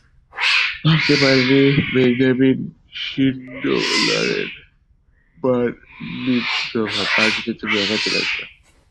ভাবতে পারিনি বেঞ্জামিন শিন্ডলারের বার মিৎজভা পার্টিতে তুমি একা চলে আসবে।